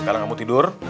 sekarang kamu tidur